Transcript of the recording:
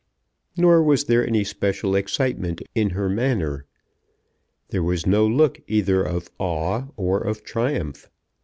Nor was there any special excitement in her manner. There was no look either of awe or of triumph.